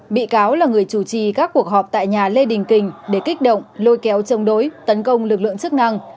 bị cáo là người chủ trì các cuộc họp tại nhà lê đình kình để kích động lôi kéo chống đối tấn công lực lượng chức năng